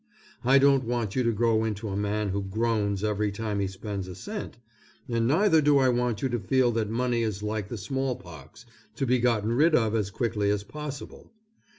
I don't want you to grow into a man who groans every time he spends a cent, and neither do I want you to feel that money is like the smallpox to be gotten rid of as quickly as possible.